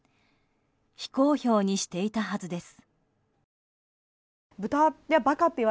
非公表にしていたはずです。